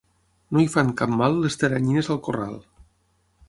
No hi fan cap mal les teranyines al corral.